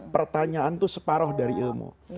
pertanyaan itu separoh dari ilmu